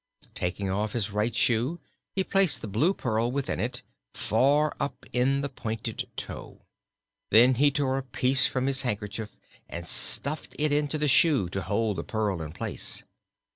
Taking off his right shoe he placed the Blue Pearl within it, far up in the pointed toe. Then he tore a piece from his handkerchief and stuffed it into the shoe to hold the pearl in place.